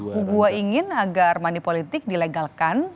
hugua ingin agar money politics dilegalkan